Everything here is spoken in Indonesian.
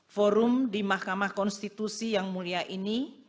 forum di mahkamah konstitusi yang mulia ini